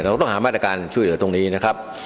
เราก็ต้องหามาตรการช่วยเหลือตรงนี้นะครับ